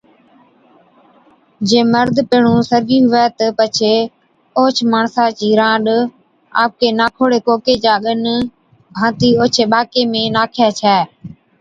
جي مرد پيھڻُون سرگِي ھُوَي تہ پڇي اوھچ ماڻسا چِي رانڏ آپڪي ناکوڙي ڪوڪي چا ڳنڏ ڀانتِي اوڇي ٻاڪي ۾ ناکَي ڇَي